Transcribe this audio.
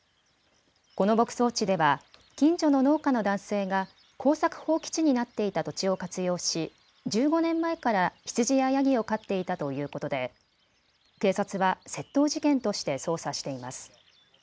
この牧草地では近所の農家の男性が耕作放棄地になっていた土地を活用し１５年前から羊やヤギを飼っていたということで警察は窃盗事件として捜査しています。